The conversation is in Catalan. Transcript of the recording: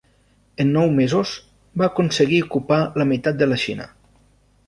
En nou mesos, va aconseguir ocupar la meitat de la Xina.